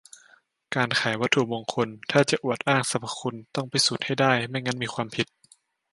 - การขายวัตถุมงคล ถ้าจะอวดอ้างสรรพคุณ ต้องพิสูจน์ให้ได้ ไม่งั้นมีความผิด